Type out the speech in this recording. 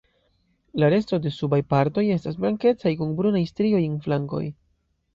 La resto de subaj partoj estas blankecaj kun brunaj strioj en flankoj.